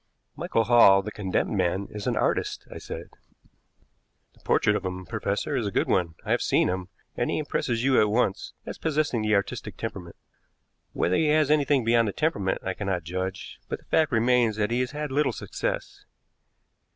"Michael Hall, the condemned man, is an artist," I said. "The portrait of him, Professor, is a good one. I have seen him, and he impresses you at once as possessing the artistic temperament. Whether he has anything beyond the temperament, I cannot judge, but the fact remains that he has had little success.